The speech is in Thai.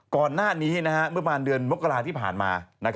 ก่อนหน้านี้เมื่อประมาณเดือนมกราที่ผ่านมา